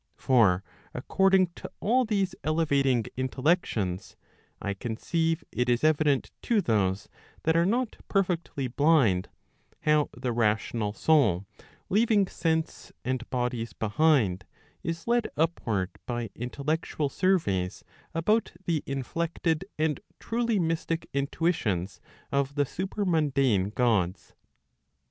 For according to all these elevating intellections, I conceive it is evident to those that are not perfectly blind, how the rational soul leaving sense and bodies behind, is led upward by intellectual surveys about the inflected and truly mystic intuitions of the supermundane Gods.